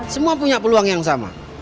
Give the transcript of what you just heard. semua punya peluang yang sama